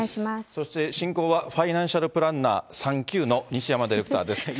そして進行は、ファイナンシャルプランナー３級の西山ディレクターです。